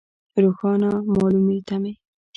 روښانه مالومې تمې.